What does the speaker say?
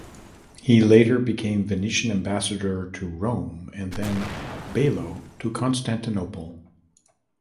He later became Venetian ambassador to Rome and then "bailo" to Constantinople.